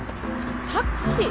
タクシー？